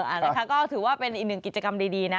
นะคะก็ถือว่าเป็นอีกหนึ่งกิจกรรมดีนะ